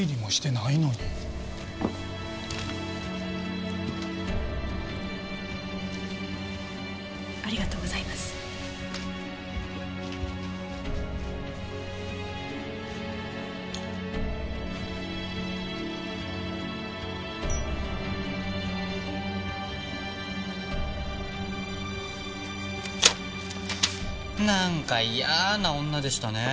なんか嫌な女でしたね。